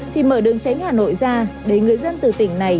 thì mở đường tránh hà nội ra để người dân từ tỉnh này